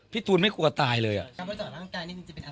พี่ตูนไม่กลัวตายเลยอะ